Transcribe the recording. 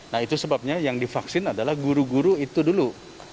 nah itu sebabnya yang divaksin adalah guru guru itu dulu